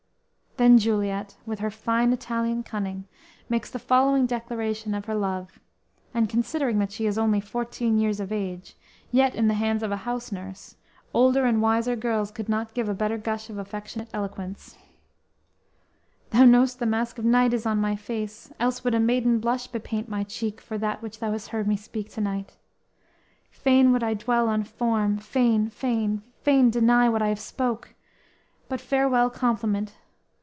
"_ Then Juliet, with her fine Italian cunning makes the following declaration of her love; and considering that she is only fourteen years of age, yet in the hands of a house nurse, older and wiser girls could not give a better gush of affectionate eloquence: "_Thou know'st the mask of night is on my face, Else would a maiden blush bepaint my cheek, For that which thou hast heard me speak to night. Fain would I dwell on form, fain, fain, fain, deny What I have spoke; But, farewell compliment!